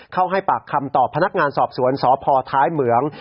ให้ปากคำต่อพนักงานสอบสวนสพท้ายเหมือง